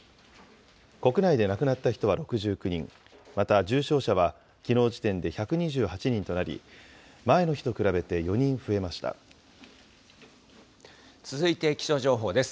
国内で亡くなった人は６９人、また、重症者はきのう時点で１２８人となり、前の日と比べて４人増えま続いて気象情報です。